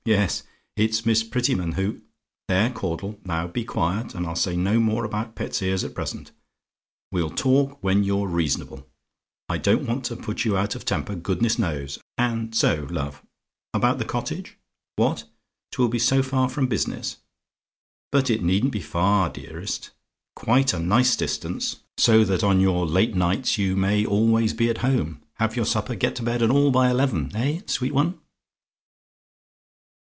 Yes, it's Miss Prettyman who "There, Caudle, now be quiet, and I'll say no more about pet's ears at present. We'll talk when you're reasonable. I don't want to put you out of temper, goodness knows! And so, love, about the cottage? What? "'TWILL BE SO FAR FROM BUSINESS? "But it needn't be far, dearest. Quite a nice distance; so that on your late nights you may always be at home, have your supper, get to bed, and all by eleven. Eh, sweet one?"